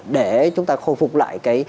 để chúng ta khôi phục lại